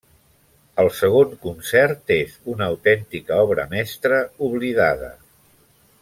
El segon concert és una autèntica obra mestra oblidada.